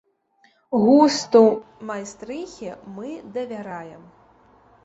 Густу майстрыхі мы давяраем.